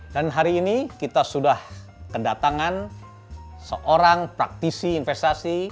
dan hari ini kita sudah kedatangan seorang praktisi investasi